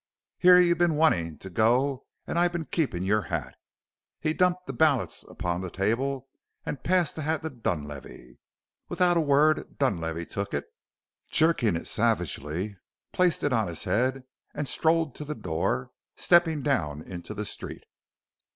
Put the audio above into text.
"Here you've been wantin' to go an' I've been keepin' your hat!" He dumped the ballots upon the table and passed the hat to Dunlavey. Without a word Dunlavey took it, jerking it savagely, placed it on his head, and strode to the door, stepping down into the street.